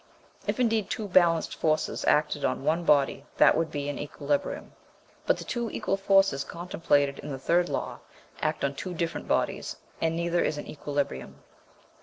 If, indeed, two balanced forces acted on one body that would be in equilibrium, but the two equal forces contemplated in the third law act on two different bodies, and neither is in equilibrium.